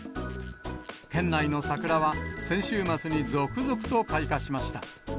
県内の桜は、先週末に続々と開花しました。